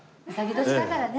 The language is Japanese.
卯年だからね。